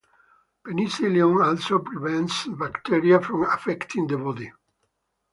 Penicillium also prevents bacteria from affecting the body.